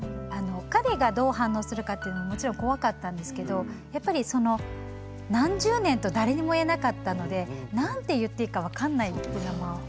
彼がどう反応するかっていうのももちろん怖かったんですけどやっぱりその何十年と誰にも言えなかったのでどういうふうに伝えていいかが分からないってことか。